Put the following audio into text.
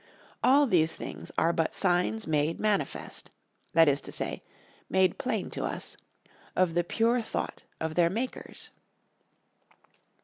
All these things are but signs made manifest, that is to say, made plain to us of the pure thought of their makers.